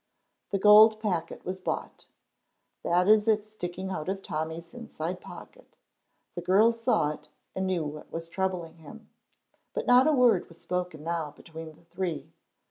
The gold packet was bought. That is it sticking out of Tommy's inside pocket. The girls saw it and knew what was troubling him, but not a word was spoken now between the three.